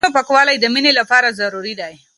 د زړونو پاکوالی د مینې لپاره ضروري دی.